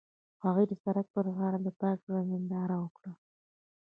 هغوی د سړک پر غاړه د پاک زړه ننداره وکړه.